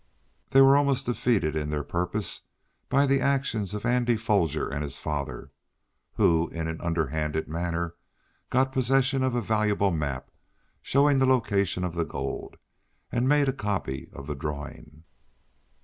They were almost defeated in their purpose by the actions of Andy Foger and his father, who in an under hand manner, got possession of a valuable map, showing the location of the gold, and made a copy of the drawing.